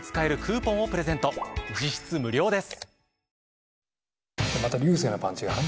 実質無料です。